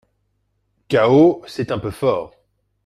Chaos, c’est un peu fort